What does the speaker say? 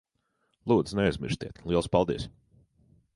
Lūdzu, neaizmirstiet. Liels paldies.